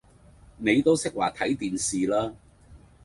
你都識話睇電視啦